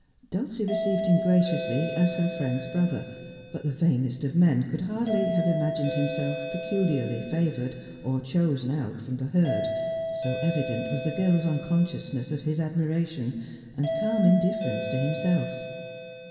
Dulcie received him graciously, as her friend's brother, but the vainest of men could hardly have imagined himself peculiarly favoured or chosen out from the herd, so evident was the girl's unconsciousness of his admiration, and calm indifference to him self.